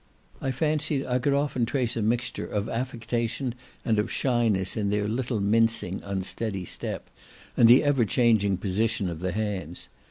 I fancied I could often trace a mixture of affectation and of shyness in their little mincing unsteady step, and the ever changing position of the hands.